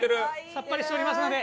さっぱりしておりますので。